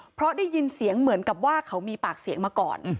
เพราะได้ยินเสียงเหมือนกับว่าเขามีปากเสียงมาก่อน